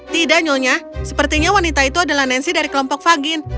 tidak nyonya sepertinya wanita itu adalah nancy dari kelompok fagin